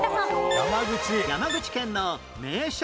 山口県の名所問題